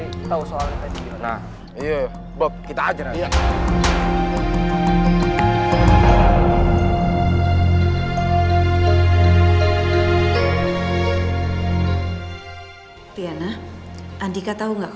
mbak aku udah dipanggil dokter mbak mau masuk nggak